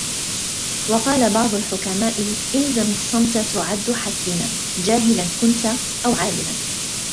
وَقَالَ بَعْضُ الْحُكَمَاءِ الْزَمْ الصَّمْتَ تُعَدُّ حَكِيمًا ، جَاهِلًا كُنْتَ أَوْ عَالِمًا